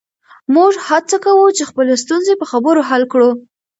موږ هڅه کوو چې خپلې ستونزې په خبرو حل کړو.